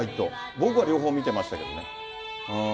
僕は両方見てましたけどね。